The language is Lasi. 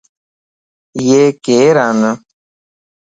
ايي ڪيران؟